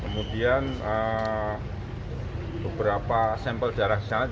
masal empat puluh empat dan empat puluh lima